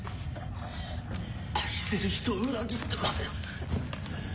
愛する人を裏切ってまで！